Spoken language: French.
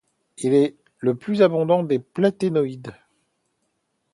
Il est le plus abondant des platinoïdes.